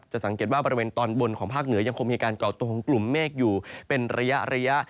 สังเกตว่าบริเวณตอนบนของภาคเหนือยังคงมีการก่อตัวของกลุ่มเมฆอยู่เป็นระยะ